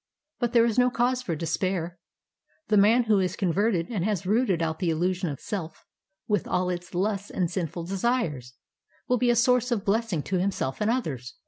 But there is no cause for despair. The man who is con verted and has rooted out the illusion of self, with all its lusts and sinful desires, will be a source of blessing to himself and others.